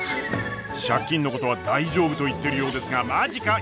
借金のことは大丈夫と言ってるようですがマジか？